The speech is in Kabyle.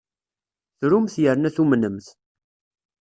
Trumt yerna tumnemt.